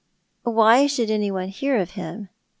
" Why should anyone hear of him